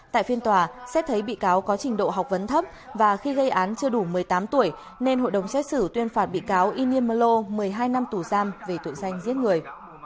tại phiên tòa xét thấy bị cáo có trình độ học vấn thấp và khi gây án chưa đủ một mươi tám tuổi nên hội đồng xét xử tuyên phạt bị cáo inimlo một mươi hai năm tù giam về tội danh giết người